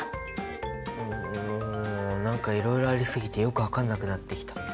ん何かいろいろありすぎてよく分かんなくなってきた。